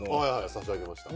差し上げました。